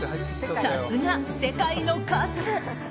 さすが、世界の勝。